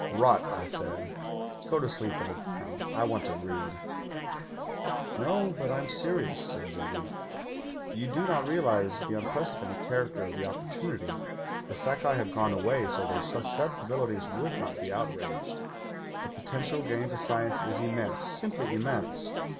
"'Rot,' I said. 'Go to sleep, old man. I want to read.' '"No. but I'm serious,' said Juggins. 'You do not realize the unprecedented character of the oppor tunity. The Sakai have gone away, so their sus ('e])tibilities would not be outraged. The potential gain to sc;ience is immense — simply immense.